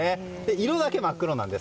色だけ真っ黒なんです。